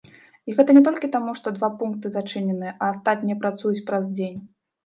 І гэта не толькі таму, што два пункты зачыненыя, а астатнія працуюць праз дзень.